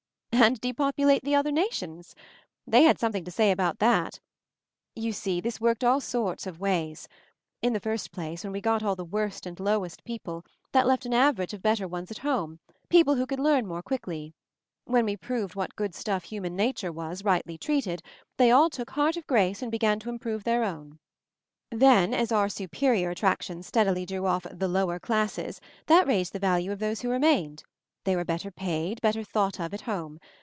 "And depopulate the other nations? They had something to say about that ! You see this worked all sorts of ways. In the first place, when we got all the worst and lowest people, that left an average of better ones at home — people who could learn more quickly. When we proved what good stuff human nature was, rightly treated, they all took heart of grace and began to improve their own. Then, as our superior attrac tions steadily drew off 'the lower classes,' that raised the value of those who remained. They were better paid, better thought of at home.